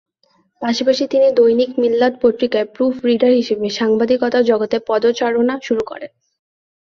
পাশাপাশি তিনি দৈনিক মিল্লাত পত্রিকায় প্রুফ রিডার হিসেবে সাংবাদিকতা জগতে পদচারণা শুরু করেন।